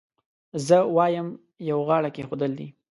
زه وایم یو غاړه کېښودل دي.